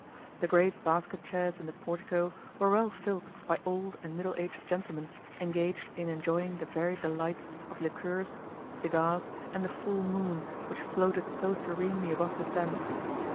The great basket chairs in the portico were well filled by old and middle aged gentlemen engaged in enjoying the varied delights of liqueurs, cigars, and the full moon which floated so serenely above the Thames.